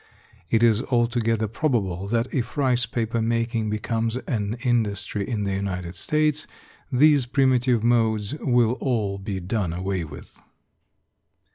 It is altogether probable that if rice paper making becomes an industry in the United States these primitive modes will all be done away with.